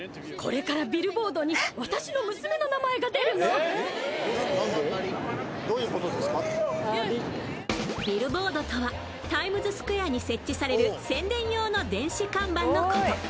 続いてはビルボードとはタイムズスクエアに設置される宣伝用の電子看板のこと。